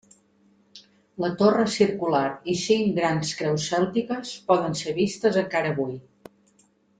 La torre circular i cinc grans creus cèltiques poden ser vistes encara avui.